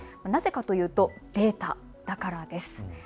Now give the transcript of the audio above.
なぜかというとデータだからです。